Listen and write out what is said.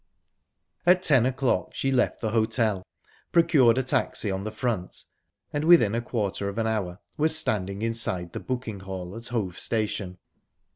At ten o'clock she left the hotel, procured a taxi on the front, and within a quarter of an hour was standing inside the booking hall at Hove Station.